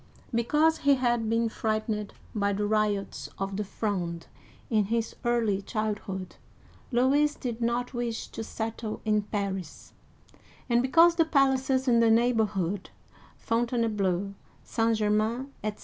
Because he had been frightened by the riots of the Fronde in his early childhood, Louis did not wish to settle in Paris ; and, because the palaces in the neighbor hood (Fontainebleau, St. Germain, etc.)